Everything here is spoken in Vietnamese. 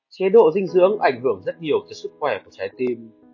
chế độ dinh dưỡng ảnh hưởng rất nhiều tới sức khỏe của trái tim